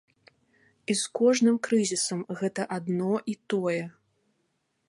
І з кожным крызісам гэта адно і тое.